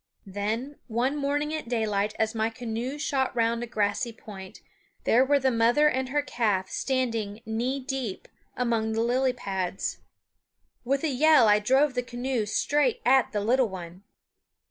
Then, one morning at daylight as my canoe shot round a grassy point, there were the mother and her calf standing knee deep among the lily pads. With a yell I drove the canoe straight at the little one.